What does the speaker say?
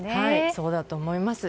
そうだと思います。